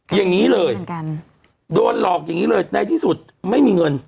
อย่างนี้เลยโดนหลอกอย่างนี้เลยในที่สุดไม่มีเงิน